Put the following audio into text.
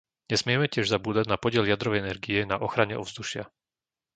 Nesmieme tiež zabúdať na podiel jadrovej energie na ochrane ovzdušia.